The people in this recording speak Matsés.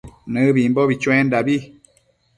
Nëbimbo chuendabi